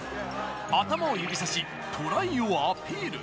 頭を指さし、トライをアピール。